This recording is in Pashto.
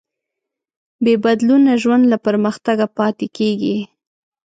بېبدلونه ژوند له پرمختګه پاتې کېږي.